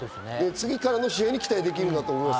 次からの試合に期待できると思います。